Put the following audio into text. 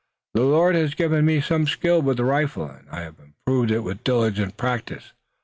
"The Lord has given me some skill with the rifle, and I have improved it with diligent practice.